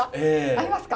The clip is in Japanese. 合いますか？